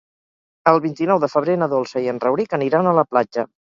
El vint-i-nou de febrer na Dolça i en Rauric aniran a la platja.